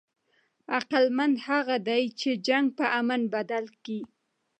عقلمند هغه دئ، چي جنګ په امن بدل کي.